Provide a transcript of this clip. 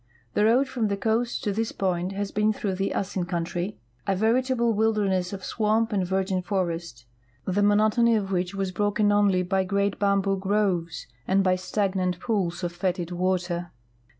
'J'lie road frt)ni the coast to this point has been through the Assin country, a veritable wilderness of swamp and virgin forest, th(! monotony of which was broken onl}' by great l)aml)oo groves and by stagnant pools of fetid water.